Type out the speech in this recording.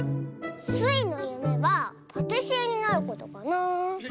スイのゆめはパティシエになることかな。